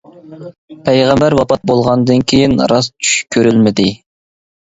پەيغەمبەر ۋاپات بولغاندىن كېيىن راست چۈش كۆرۈلمىدى.